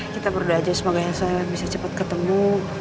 kita berdua aja semoga nelson bisa cepet ketemu